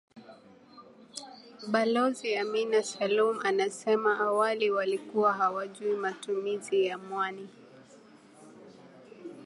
Balozi Amina Salum anasema awali walikuwa hawajui matumizi ya mwani